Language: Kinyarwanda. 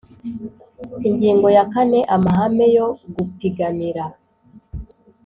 Ingingo ya kane Amahame yo gupiganira